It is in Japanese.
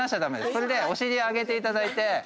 それでお尻上げていただいて。